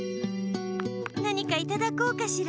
なにかいただこうかしら？